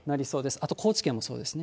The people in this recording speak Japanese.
あと、高知県もそうですね。